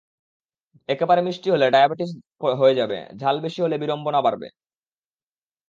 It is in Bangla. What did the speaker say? একেবারে মিষ্টি হলে ডায়াবেটিস হয়ে যাবে, ঝাল বেশি হলে বিড়ম্বনা বাড়বে।